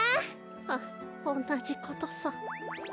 はっおんなじことさ。